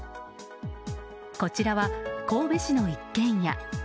こちらは神戸市の一軒家。